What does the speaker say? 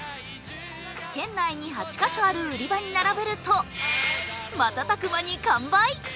県内に８カ所ある売り場に並べると、瞬く間に完売。